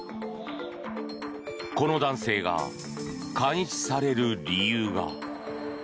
この男性が監視される理由が。